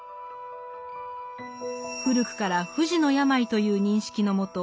古くから不治の病という認識のもと